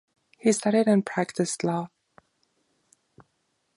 He studied and practiced law.